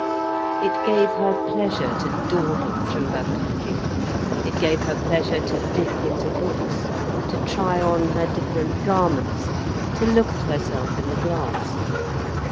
It gave her pleasure to dawdle through her packing, it gave her pleasure to dip into books, to try on her different garments, to look at herself in the glass.